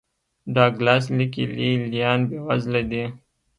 ډاګلاس لیکي لې لیان بېوزله دي.